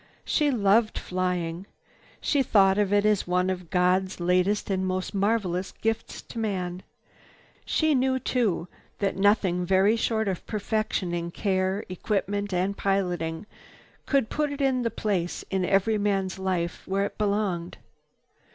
She loved flying. She thought of it as one of God's latest and most marvelous gifts to man. She knew too that nothing very short of perfection in care, equipment and piloting could put it in the place in every man's life where it belonged.